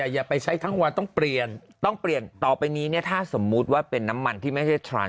อย่าไปใช้ทั้งวันต้องเปลี่ยนต้องเปลี่ยนต่อไปนี้เนี่ยถ้าสมมุติว่าเป็นน้ำมันที่ไม่ใช่ทราน